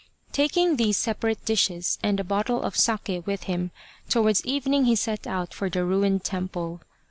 Taking these separate dishes and a bottle of sake with him, towards evening he set out for the ruined temple.